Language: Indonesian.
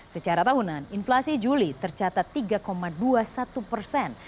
secara tahunan inflasi juli tercatat tiga dua puluh satu persen